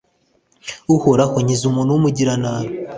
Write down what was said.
Uhoraho nkiza umuntu w’umugiranabi